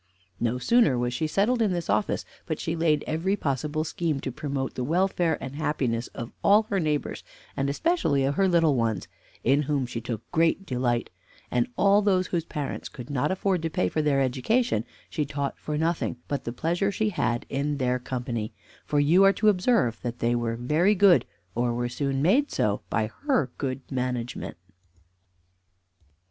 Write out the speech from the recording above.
No sooner was she settled in this office, but she laid every possible scheme to promote the welfare and happiness of all her neighbors, and especially of her little ones, in whom she took great delight; and all those whose parents could not afford to pay for their education, she taught for nothing but the pleasure she had in their company; for you are to observe that they were very good, or were soon made so by her good management.